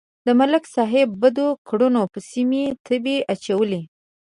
د ملک صاحب بدو کړنو پسې مې تمبې اچولې.